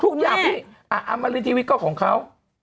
ทุกอย่างผิดอ่ามริทีวีตก็ของเขา